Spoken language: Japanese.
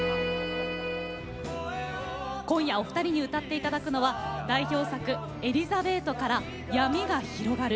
今夜お二人に歌っていただくのは代表作「エリザベート」から「闇が広がる」。